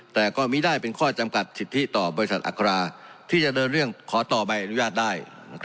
แต่ก็มีได้เป็นข้อจำกัดสิทธิต่อบริษัทอัคราที่จะเดินเรื่องขอต่อใบอนุญาตได้